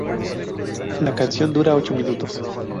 La canción dura ocho minutos.